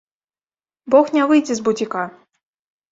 Бог не выйдзе з буціка!